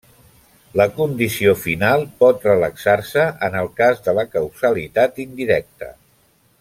La condició final pot relaxar-se en el cas de la causalitat indirecta.